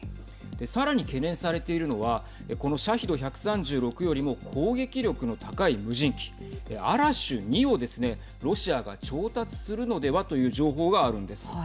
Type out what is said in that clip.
さらに懸念されているのはこのシャヒド１３６よりも攻撃力の高い無人機アラシュ２をですねロシアが調達するのではという情報があるんです。